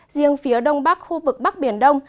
riêng phía đông bắc khu vực bắc biển đông